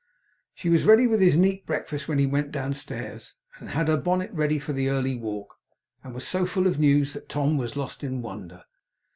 She was ready with his neat breakfast when he went downstairs, and had her bonnet ready for the early walk, and was so full of news, that Tom was lost in wonder.